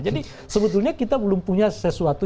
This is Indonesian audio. jadi sebetulnya kita belum punya sesuatu